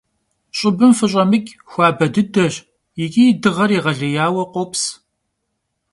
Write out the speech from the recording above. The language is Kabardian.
Ş'ıbım fış'emıç', xuabe dıdeş yiç'i dığer yêğeleyaue khops.